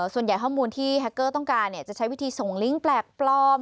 ข้อมูลที่แฮคเกอร์ต้องการจะใช้วิธีส่งลิงก์แปลกปลอม